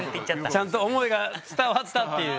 ちゃんと思いが伝わったっていう。